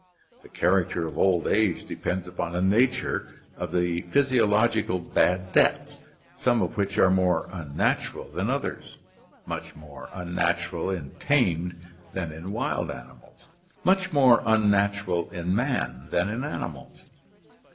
The character of old age depends upon the nature of the physiological bad debts, some of which are more unnatural than others, much more unnatural in tamed than in wild animals, much more unnatural in man than in animals.